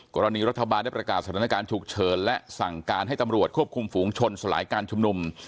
กรณีรัฐบาลได้ประกาศสถานการณ์ฉุกเฉินและสั่งการให้ตำรวจควบคุมฝูงชนสลายการชุมนุม